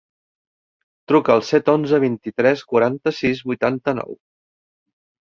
Truca al set, onze, vint-i-tres, quaranta-sis, vuitanta-nou.